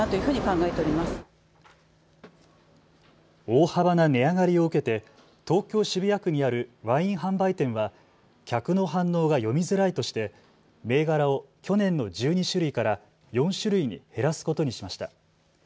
大幅な値上がりを受けて東京渋谷区にあるワイン販売店は客の反応が読みづらいとして銘柄を去年の１２種類から４種類に減らすことにしました。